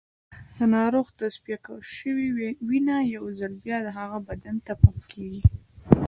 د ناروغ تصفیه شوې وینه یو ځل بیا د هغه بدن ته پمپ کېږي.